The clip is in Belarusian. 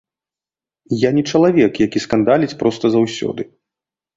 Я не чалавек, які скандаліць проста заўсёды.